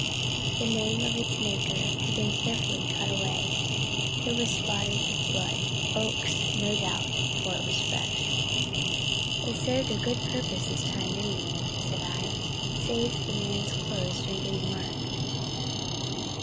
The name of its maker had been carefully cut away. It was spotted with blood Oakes's, no doubt for it was fresh. "It served a good purpose this time, anyway," said I; "saved the man's clothes from being marked."